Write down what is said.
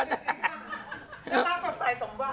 นักร้าวสะใสสองใบ